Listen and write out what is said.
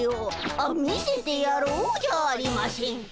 あ見せてやろうじゃあありましぇんか。